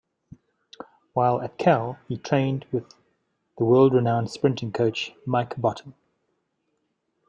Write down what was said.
While at Cal, he trained with the world-renowned sprinting coach Mike Bottom.